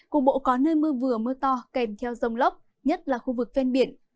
cục bộ có nơi mưa vừa mưa to kèm theo rông lốc nhất là khu vực ven biển